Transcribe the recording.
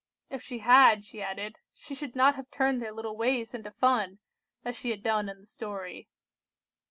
If she had, she added, she should not have turned their little ways into fun, as she had done in the story.